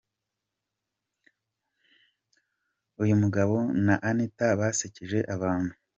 Uyu mugabo na Anita basekeje abantu .